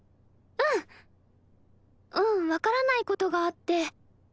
うんうん分からないことがあって。